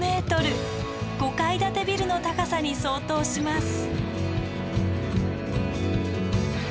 ５階建てビルの高さに相当します。